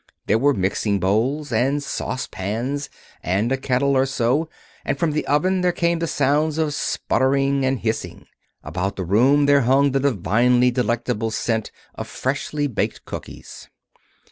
There were mixing bowls, and saucepans, and a kettle or so, and from the oven there came the sounds of sputtering and hissing. About the room there hung the divinely delectable scent of freshly baked cookies.